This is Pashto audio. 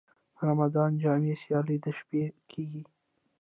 د رمضان جام سیالۍ د شپې کیږي.